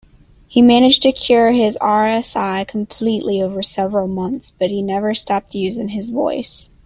He managed to cure his RSI completely over several months, but he never stopped using his voice.